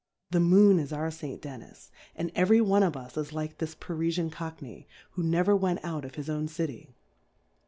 The Moon is our St. Dennis^ and every one of us is like this Parifian Cockney, who never went out of his o\^^n City.